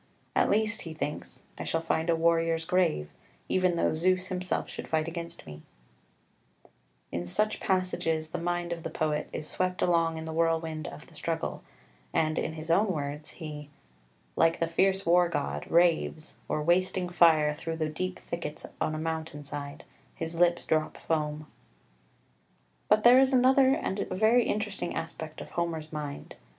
"At least," he thinks, "I shall find a warrior's grave, even though Zeus himself should fight against me." [Footnote 6: Il. xvii. 645.] 11 In such passages the mind of the poet is swept along in the whirlwind of the struggle, and, in his own words, he "Like the fierce war god, raves, or wasting fire Through the deep thickets on a mountain side; His lips drop foam." [Footnote 7: Il. xv. 605.] 12 But there is another and a very interesting aspect of Homer's mind.